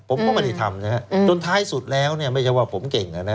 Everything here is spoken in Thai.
ผมก็ไม่ได้ทำจนท้ายสุดแล้วไม่ใช่ว่าผมเก่ง